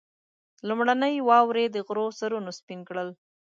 لومړنۍ واورې د غرو سرونه سپين کړل.